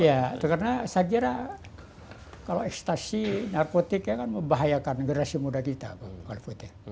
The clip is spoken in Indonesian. ya itu karena saya kira kalau ekstasi narkotiknya kan membahayakan generasi muda kita pak